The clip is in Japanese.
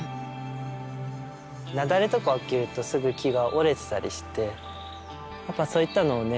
雪崩とか起きるとすぐ木が折れてたりしてやっぱそういったのをね